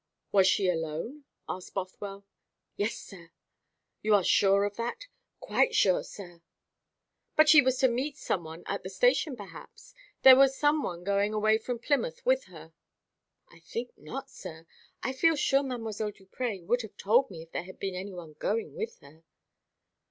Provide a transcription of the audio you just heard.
"Was she alone?" asked Bothwell. "Yes, sir." "You are sure of that?" "Quite sure, sir." "But she was to meet some one at the station, perhaps. There was some one going away from Plymouth with her." "I think not, sir. I feel sure Mdlle. Duprez would have told me if there had been any one going with her."